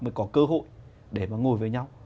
mới có cơ hội để mà ngồi với nhau